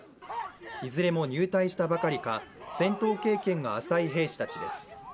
いずれも入隊したばかりか戦闘経験が浅い兵士たちです。